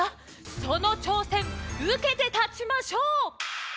そのちょうせんうけてたちましょう！